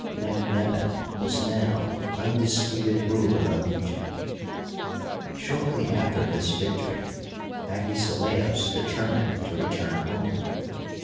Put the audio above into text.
Necht nebef was now undisputed ruler of Eg^pt. Shortly after this victory Agesilaos determined to return home.